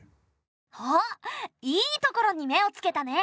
おっいいところに目をつけたね。